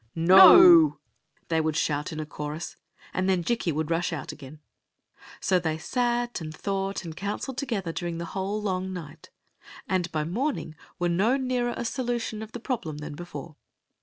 *'^Nor they would shout in a chorus; and then Jikki would rush out again. So they sat and thought and counseled together during the whole long night, and by morning they Queen Zixi of Ix; or, the were no nearer a solution of the problem than before.